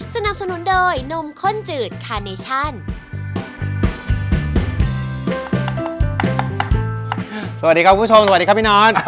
สวัสดีครับคุณผู้ชมสวัสดีครับพี่นอน